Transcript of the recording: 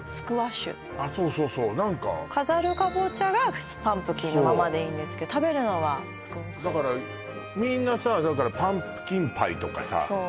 あっそうそうそう何か飾るカボチャがパンプキンのままでいいんですけど食べるのはだからみんなさだからパンプキンパイとかさ